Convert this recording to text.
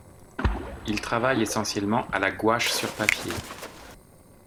Il travaille essentiellement à la gouache sur papier.